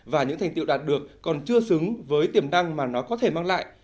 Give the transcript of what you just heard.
và những thành tiệu đạt được còn chưa xứng với tiềm năng mà nó có thể mang lại